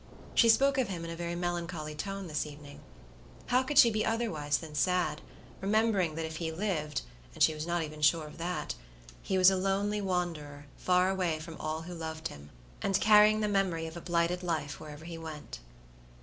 She spoke of him in a very melancholy tone this evening. How could she be otherwise than sad, remembering that if he livedand she was not even sure of thathe was a lonely wanderer far away from all who loved him, and carrying the memory of a blighted life wherever he went.